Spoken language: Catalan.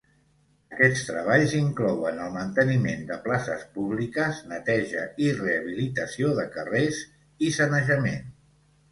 Aquests treballs inclouen el manteniment de places públiques, neteja i rehabilitació de carrers i sanejament.